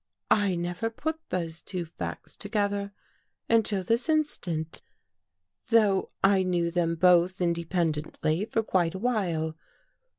" I never put those two facts together until this instant, though I knew them both inde pendently for quite a while.